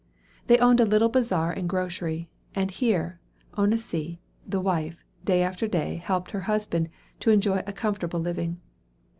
They owned a little bazaar and grocery, and here, Onasie, the wife, day after day helped her husband to earn a comfortable living.